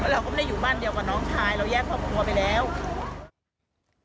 เราก็ไม่ได้อยู่บ้านเดียวกับน้องชายเราแยกครอบครัวไปแล้ว